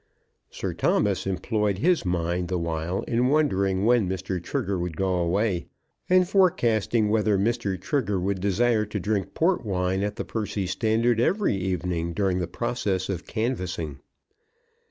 Sir Thomas employed his mind the while in wondering when Mr. Trigger would go away, and forecasting whether Mr. Trigger would desire to drink port wine at the Percy Standard every evening during the process of canvassing.